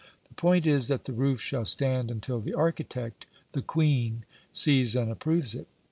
The point is that the roof shall stand until the architect, the Queen, sees and approves it.